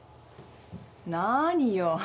何よ。